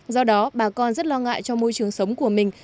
do đó bà con rất lo ngại cho môi trường sống của mình